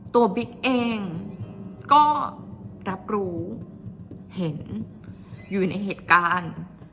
บิ๊กเองก็รับรู้เห็นอยู่ในเหตุการณ์